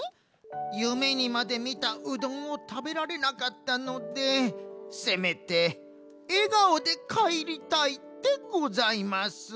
ゆめにまでみたうどんをたべられなかったのでせめてえがおでかえりたいでございます。